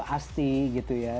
asti gitu ya